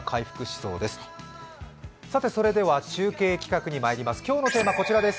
それでは中継企画にまいります。